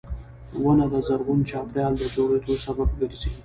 • ونه د زرغون چاپېریال د جوړېدو سبب ګرځي.